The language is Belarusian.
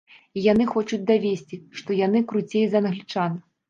І яны хочуць давесці, што яны круцей за англічан.